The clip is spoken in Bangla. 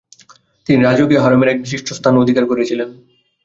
তিনি রাজকীয় হারেমের এক বিশিষ্ট স্থান অধিকার করেছিলেন।